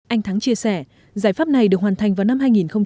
anh thắng chia sẻ giải pháp này được hoàn thành vào năm hai nghìn một mươi